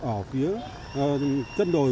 ở phía chân đồi